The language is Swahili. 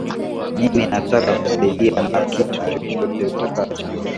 Mimi nataka kukusaidia na kitu chochote utakacho.